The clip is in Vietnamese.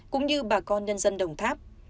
cũng như bà con nhân dân đồng tháp